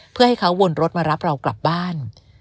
เพื่อให้เขาวนรถมารับเรากลับบ้าน